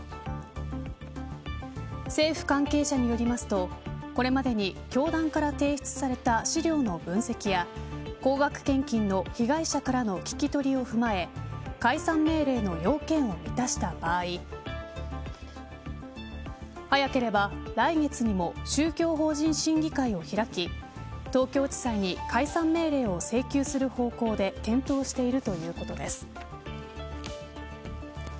政府関係者によりますとこれまでに教団から提出された資料の分析や高額献金の被害者からの聞き取りを踏まえ解散命令の要件を満たした場合早ければ来月にも宗教法人審議会を開き東京地裁に解散命令を請求する方向で検討しているということです。